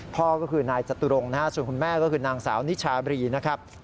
พ่อก็คือนายจตุรงค์นะฮะส่วนคุณแม่ก็คือนางสาวนิชาบรีนะครับ